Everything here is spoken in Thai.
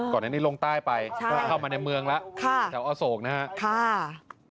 ก่อนอันนี้ลงใต้ไปเข้ามาในเมืองแล้วแถวอโศกนะครับ